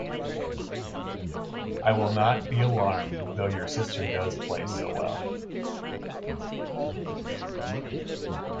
I will not be alarmed though your sister does play so well.